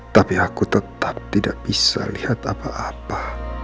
tapi aku tetap tidak bisa lihat apa apa